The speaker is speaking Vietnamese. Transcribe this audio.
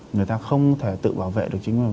người ta không thể tự bảo vệ được chính quyền